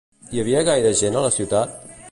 Hi havia gaire gent a la ciutat?